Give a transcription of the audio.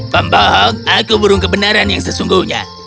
pembohong aku burung kebenaran yang sesungguhnya